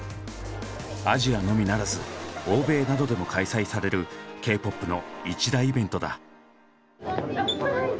アジアのみならず欧米などでも開催されるＫーＰＯＰの一大イベントだ。